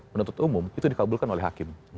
penuntut umum itu dikabulkan oleh hakim